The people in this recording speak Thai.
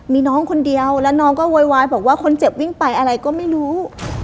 มีน้องคนเดียวแล้วน้องก็โวยวายบอกว่าคนเจ็บวิ่งไปอะไรก็ไม่รู้